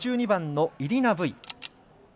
５２番のイリナ・ブイ。